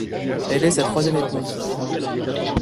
Elle est sa troisième épouse.